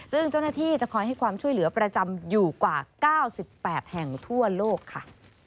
ซึ่งเจ้าหน้าที่จะคอยให้ความช่วยเหลือประจำอยู่กว่า๙๘แห่งทั่วโลกค่ะ